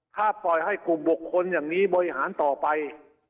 ถ้าปล่อยให้กลุ่มบุคคลอย่างนี้บริหารต่อไป